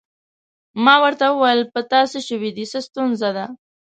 ما ورته وویل: په تا څه شوي دي؟ څه ستونزه ده؟